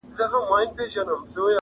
o زه ټپه یم د ملالي چي زړېږم لا پخېږم,